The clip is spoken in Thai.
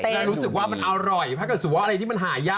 ได้รู้สึกว่ามันอร่อยถ้าคืออะไรที่มันหายาก